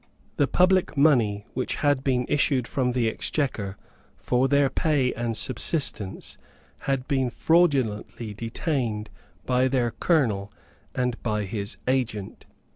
The public money which had been issued from the Exchequer for their pay and subsistence had been fraudulently detained by their colonel and by his agent.